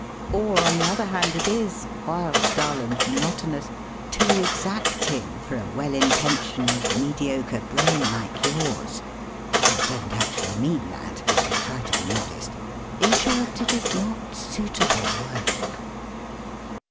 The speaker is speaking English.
Or, on the other hand, it is, while dull and monotonous, too exacting for a well intentioned mediocre brain like yours (you don't actually mean that, but you try to be modest) — in short it is not suitable work.